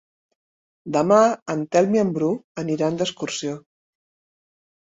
Demà en Telm i en Bru aniran d'excursió.